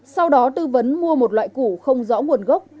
sau đó tư vấn mua một loại củ không rõ nguồn gốc